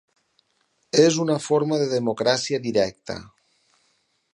És una forma de democràcia directa.